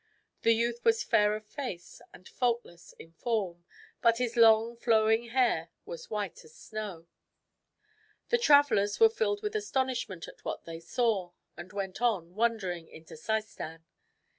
The youth was fair of face and faultless in form, but his long, flowing hair was white as snow. The travelers were filled with astonishment at what they saw, and went on, wondering, into Seistan.